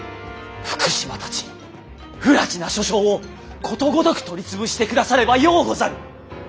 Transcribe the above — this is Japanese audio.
福島たち不埒な諸将をことごとく取り潰してくださればようござる！